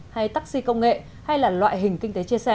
hay taxi công nghệ hay là loại hình kinh tế chia sẻ